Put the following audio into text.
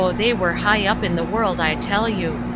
they were high up in the world, I tell you.